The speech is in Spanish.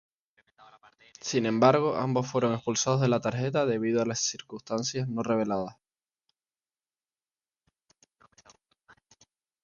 Sin embargo, ambos fueron expulsados de la tarjeta debido a circunstancias no reveladas.